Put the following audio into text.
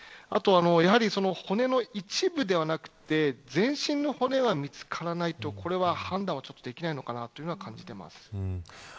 やはり骨の一部ではなく全身の骨が見つからないとこれは判断できないのかなと感じています。